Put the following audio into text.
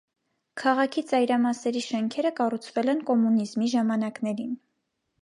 Քաղաքի ծայրամասերի շենքերը կառուցվել են կոմունիզմի ժամանակներին։